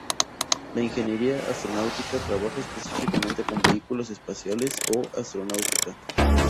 La ingeniería astronáutica trabaja específicamente con vehículos espaciales o astronáutica.